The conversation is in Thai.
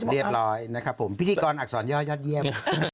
เรียบร้อยนะครับผมพิธีกรอักษรย่อยอดเยี่ยม